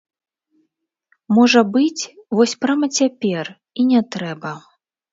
Можа быць, вось прама цяпер і не трэба.